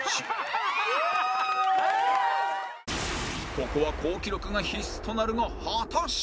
ここは好記録が必須となるが果たして